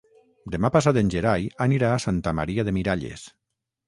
Demà passat en Gerai anirà a Santa Maria de Miralles.